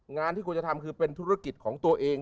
งานที่ควรจะทำคือเป็นธุรกิจของตัวเอง